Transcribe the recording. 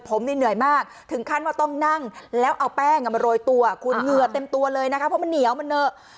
ผมนี่เหนื่อยมากถึงขั้นว่าต้องนั่งแล้วเอาแป้งมาโรยตัวคุณเหงื่อเต็มตัวเลยนะคะเพราะมันเหนียวมันเหนอะ